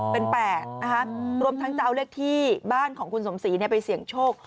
เป็น๘นะคะรวมทั้งจะเอาเลขที่บ้านของคุณสมศรีไปเสี่ยงโชค